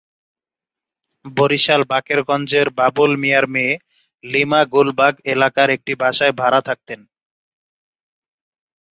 বরিশাল বাকেরগঞ্জের বাবুল মিয়ার মেয়ে লিমা গুলবাগ এলাকার একটি বাসায় ভাড়া থাকতেন।